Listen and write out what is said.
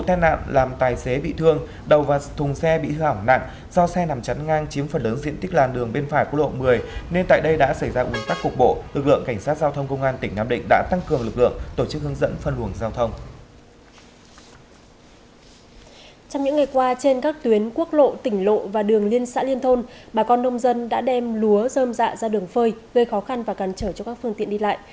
trong những ngày qua trên các tuyến quốc lộ tỉnh lộ và đường liên xã liên thôn bà con nông dân đã đem lúa rơm dạ ra đường phơi gây khó khăn và cản trở cho các phương tiện đi lại